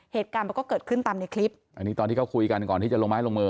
เหตุการณ์มันก็เกิดขึ้นตามในคลิปอันนี้ตอนที่เขาคุยกันก่อนที่จะลงไม้ลงมือ